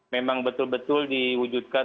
memang betul betul diwujudkan